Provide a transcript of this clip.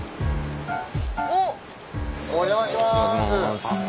お邪魔します！